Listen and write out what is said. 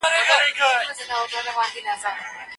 ايا د خلګو حقيقي عايد زيات سوی دی؟